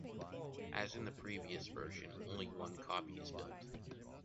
As in the previous version, only one copy is built.